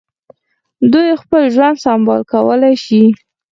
دوی خپل ژوند سمبال کولای شي.